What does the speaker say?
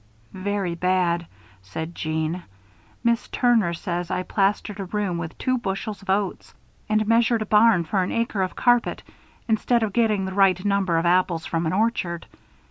"Very bad," said Jeanne. "Miss Turner says I plastered a room with two bushels of oats, and measured a barn for an acre of carpet, instead of getting the right number of apples from an orchard.